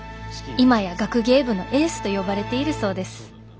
今や学芸部のエースと呼ばれているそうです」。